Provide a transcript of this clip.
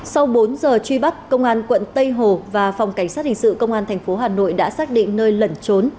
sau bốn giờ truy bắt công an quận tây hồ và phòng cảnh sát hình sự công an tp hà nội đã xác định nơi lẩn trốn